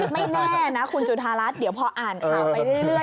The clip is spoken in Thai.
ไม่แน่นะคุณจุฑารัฐนี้เดี๋ยวพ่ออ่านด้วยเรื่อย